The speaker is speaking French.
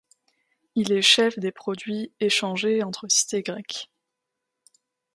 Il est chef des produits échangés entre cités grecques.